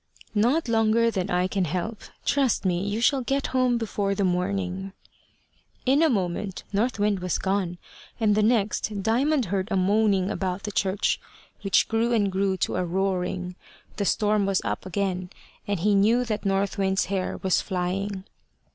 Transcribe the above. "Not longer than I can help. Trust me, you shall get home before the morning." In a moment North Wind was gone, and the next Diamond heard a moaning about the church, which grew and grew to a roaring. The storm was up again, and he knew that North Wind's hair was flying.